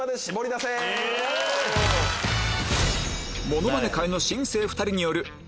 モノマネ界の新星２人による